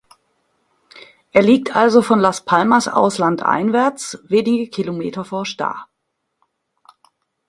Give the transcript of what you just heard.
Er liegt also von Las Palmas aus landeinwärts, wenige Kilometer vor Sta.